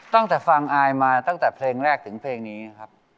ตั้งแต่ฟังอายมาตั้งแต่เพลงแรกถึงเพลงนี้ครับ